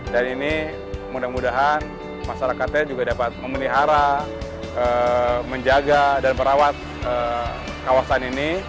dan ini mudah mudahan masyarakatnya juga dapat memelihara menjaga dan merawat kawasan ini